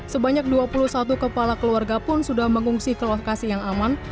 sebanyak dua puluh satu kepala keluarga pun sudah mengungsi ke lokasi yang aman